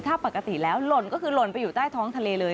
ถ้าปกติแล้วหล่นก็คือหล่นไปอยู่ใต้ท้องทะเลเลย